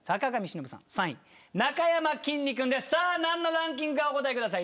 さあ何のランキングかお答えください。